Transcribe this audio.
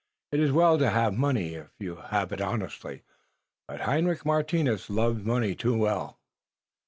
It is well to haf money if you haf it honestly, but Hendrik Martinus loves money too well."